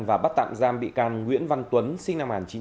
và bắt tạm giam bị can nguyễn văn tuấn sinh năm một nghìn chín trăm tám mươi